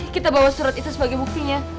kita bawa surat itu sebagai buktinya